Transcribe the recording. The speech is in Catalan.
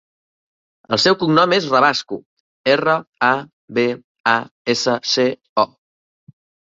El seu cognom és Rabasco: erra, a, be, a, essa, ce, o.